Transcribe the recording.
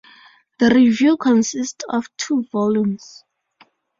The review consists of two volumes.